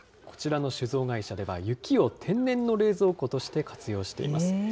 こちらの酒造会社では、雪を天然の冷蔵庫として活用しています。